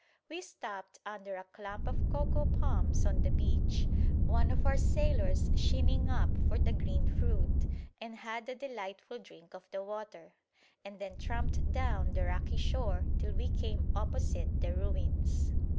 We stopped under a clump of cocoa palms on the beach one of our sailors shinning up for the green fruit and had a delightful drink of the water; and then tramped down the rocky shore till we came opposite the ruins.